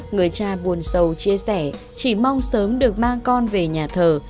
người cha buồn sâu chia sẻ chỉ mong sớm được mang con về nhà thờ